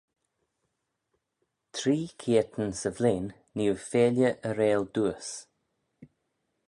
Three keayrtyn 'sy vlein nee oo feailley y reayll dooys.